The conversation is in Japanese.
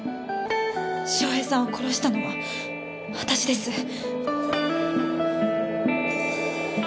翔平さんを殺したのは私です。